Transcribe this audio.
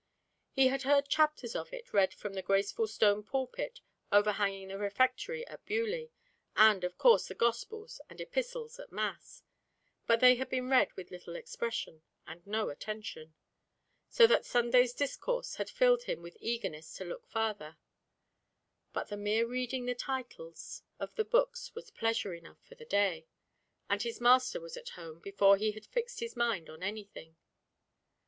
He had heard chapters of it read from the graceful stone pulpit overhanging the refectory at Beaulieu, and, of course, the Gospels and Epistles at mass, but they had been read with little expression and no attention; and that Sunday's discourse had filled him with eagerness to look farther; but the mere reading the titles of the books was pleasure enough for the day, and his master was at home before he had fixed his mind on anything.